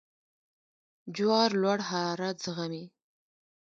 جوار لوړ حرارت زغمي.